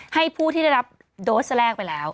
ให้ได้รับโดสที่๑๘๐๐แลกไปแล้ว